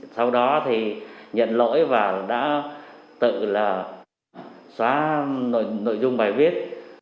sau đó thì nhận lỗi và đã tự là xóa nội dung bài viết